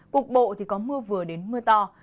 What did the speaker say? cục bộ thì có mưa vừa đến mưa to